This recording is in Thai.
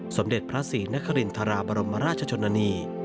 สมเด็จพระสี่นกริณทะลาบรมราชชนนาณี